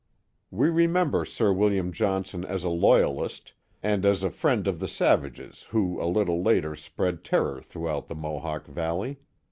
We remember Sir William Johnson as a loyalist, and as a friend of the savages who a little later spread terror through out the Mohawk Valley.